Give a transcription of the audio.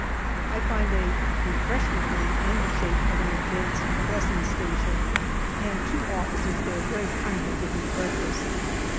I find a " refreshment room " in the shape of an advanced dressing station, and two officers there very kindly give me breakfast.